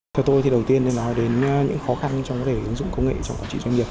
theo tôi đầu tiên nói đến những khó khăn trong ứng dụng công nghệ trong quản trị doanh nghiệp